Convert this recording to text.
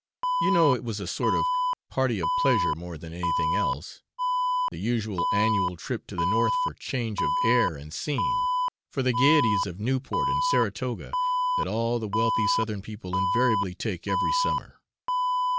You know it was a sort of party of pleasure more than anything else; the usual annual trip to the north for change of air and scene, for the gaieties of Newport and Saratoga, that all the wealthy southern people invariably take every summer.